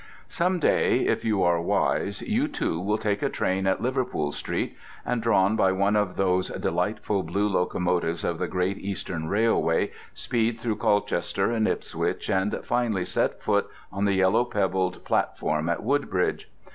Some day, if you are wise, you, too, will take a train at Liverpool Street, and drawn by one of those delightful blue locomotives of the Great Eastern Railway speed through Colchester and Ipswich and finally set foot on the yellow pebbled platform at Woodbridge.